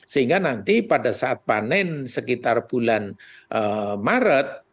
sehingga nanti pada saat panen sekitar bulan maret